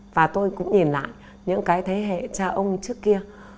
và tôi cũng nhìn lại những cái thế hệ cha ông trước kia